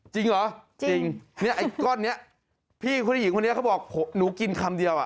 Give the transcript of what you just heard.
จริงเหรอจริงเนี่ยไอ้ก้อนนี้พี่ผู้หญิงคนนี้เขาบอกหนูกินคำเดียวอ่ะ